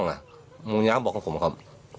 ก็พยายามฆ่าในนั้นครับ